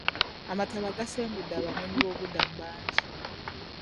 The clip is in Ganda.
Amataba gasengudde abanoonyi b'obubudamu bangi.